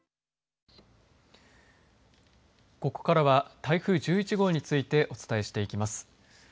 ここからは台風１１号についてお伝えしていきます。